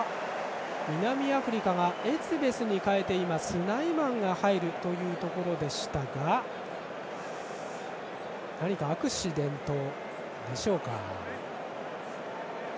南アフリカがエツベスに代えてスナイマンが入るというところでしたが何かアクシデントでしょうか。